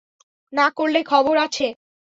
না করলে খবর আছে।